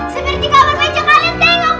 seperti kamar pecah kalian tengok